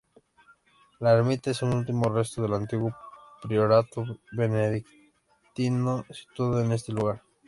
La ermita es el último resto del antiguo priorato benedictino situado en este lugar.